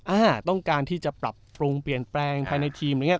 อ่าต้องการที่จะปรับปรุงเปลี่ยนแปลงภายในทีมอะไรอย่างนี้